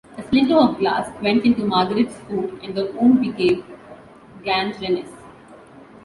A splinter of glass went into Margaret's foot and the wound became gangrenous.